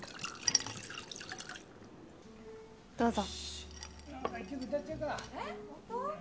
どうぞ。